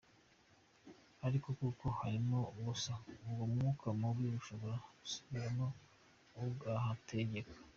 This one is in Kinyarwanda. Ariko kuko harimo ubusa uwo mwuka mubi ushobora gusubiramo ukahategeka.